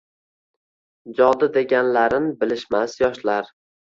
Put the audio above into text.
Jodi deganlarin bilishmas yoshlar